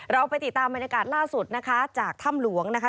เราไปติดตามบรรยากาศล่าสุดนะคะจากถ้ำหลวงนะคะ